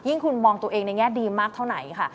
คุณมองตัวเองในแง่ดีมากเท่าไหนค่ะ